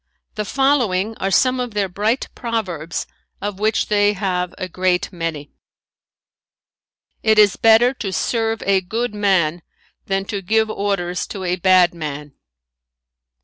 The following are some of their bright proverbs of which they have a great many: "It is better to serve a good man than to give orders to a bad man.